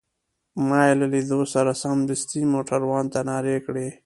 ما يې له لیدو سره سمدستي موټروان ته نارې کړې.